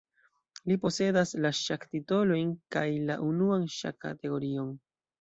Li posedas la ŝak-titolojn kaj la unuan ŝak-kategorion.